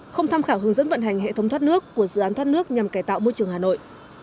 không tham khảo hướng dẫn vận hành hệ thống thoát nước của dự án thoát nước nhằm cài tạo môi trường hà nội